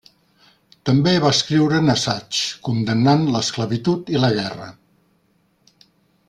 També va escriure'n assaigs condemnant l'esclavitud i la guerra.